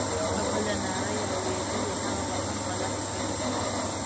که بله ناره یې اورېدلې هغه به هم غلطه وي.